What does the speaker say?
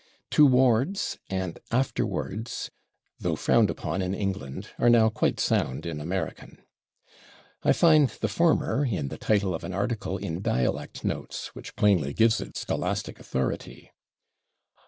" /Towards/ and /afterwards/, though frowned upon in England, are now quite sound in American. I [Pg148] find the former in the title of an article in /Dialect Notes/, which plainly gives it scholastic authority.